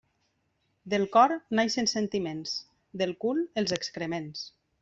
Del cor neixen sentiments, del cul els excrements.